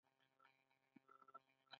آیا حکومت د ماشوم ساتنې مرسته نه کوي؟